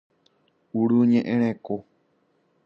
Urdu ñe'ẽ reko.